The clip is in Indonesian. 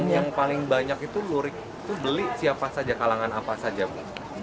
yang paling banyak itu lurik itu beli siapa saja kalangan apa saja bu